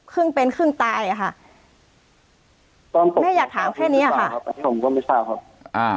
ครึ่งเป็นครึ่งตายอ่ะค่ะแม่อยากถามแค่เนี้ยค่ะครับอันนี้ผมก็ไม่ทราบครับอ่า